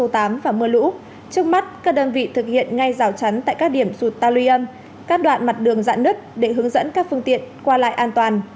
trước mắt các đơn vị thực hiện ngay rào chắn tại các điểm sụt ta luy âm các đoạn mặt đường dạn nứt để hướng dẫn các phương tiện qua lại an toàn